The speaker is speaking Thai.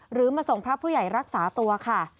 หรือมาส่งพระผู้ใหญ่รักษาตัวค่ะ